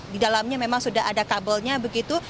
di dalamnya memang sudah ada kabelnya begitu